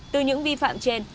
từ những vi phạm trên